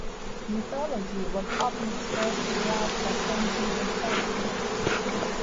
Mythology was often expressed throughout her paintings and poetry.